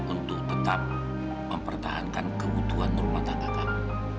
untuk tetap mempertahankan kebutuhan rumah tangga kami